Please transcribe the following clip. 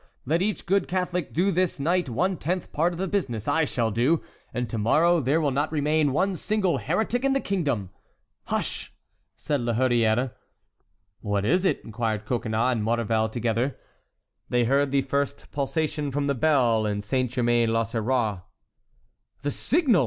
Let each good Catholic do this night one tenth part of the business I shall do, and to morrow there will not remain one single heretic in the kingdom." "Hush!" said La Hurière. "What is it?" inquired Coconnas and Maurevel together. They heard the first pulsation from the bell in Saint Germain l'Auxerrois. "The signal!"